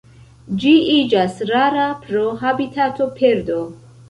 Ĝi iĝas rara pro habitatoperdo.